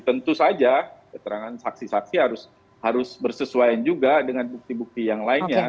tentu saja keterangan saksi saksi harus bersesuaian juga dengan bukti bukti yang lainnya